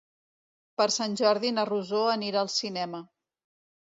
Per Sant Jordi na Rosó anirà al cinema.